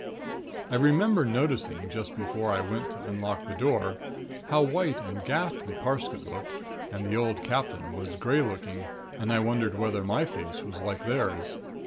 "I remember noticing, just before I went to unlock the door, how white and ghastly Parsket looked and the old Captain was grey looking and I wondered whether my face was like theirs.